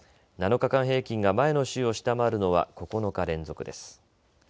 ７日間平均が前の週を下回るのは９日連続です。